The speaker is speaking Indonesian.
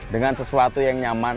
dengan sesuatu yang nyaman